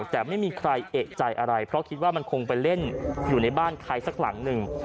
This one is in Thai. แต่ไม่มีใครเอกใจอะไรเพราะคิดว่ามันคงไปเล่นอยู่ในบ้านใครสักหลังหนึ่ง